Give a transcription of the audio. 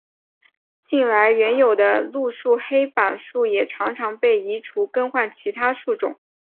近来原有的路树黑板树也常常被移除改换其他树种。